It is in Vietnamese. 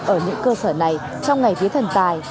ở những cơ sở này trong ngày vía thần tài